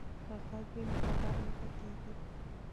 که غږ وي نو خبر نه پاتیږي.